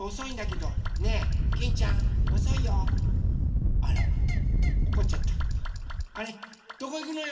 どこいくのよ？